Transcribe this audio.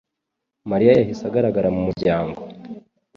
Mariya yahise agaragara mu muryango